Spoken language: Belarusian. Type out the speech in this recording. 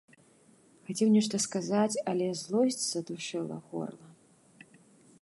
Хацеў нешта сказаць, але злосць здушыла горла.